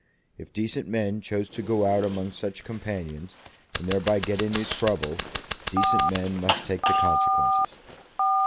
If decent men chose to go out among such companions, and thereby get into trouble, decent men must take the consequences.